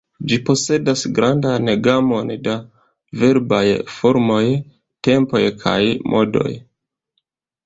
Ĝi posedas grandan gamon da verbaj formoj, tempoj kaj modoj.